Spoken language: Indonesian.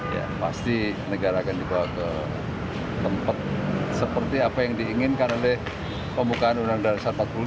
ya pasti negara akan dibawa ke tempat seperti apa yang diinginkan oleh pembukaan undang undang dasar empat puluh lima